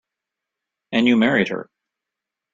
And you married her.